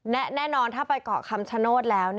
แน่นอนถ้าไปเกาะคำชโนธแล้ว